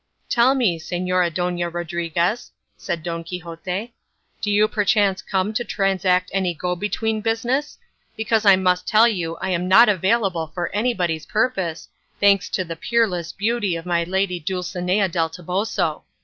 "Tell me, Señora Dona Rodriguez," said Don Quixote, "do you perchance come to transact any go between business? Because I must tell you I am not available for anybody's purpose, thanks to the peerless beauty of my lady Dulcinea del Toboso.